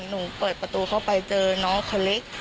หนูเปิดประตูเข้าไปเจอน้องคนเล็ก